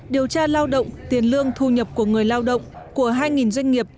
điều tra lao động tiền lương thu nhập của người lao động của hai doanh nghiệp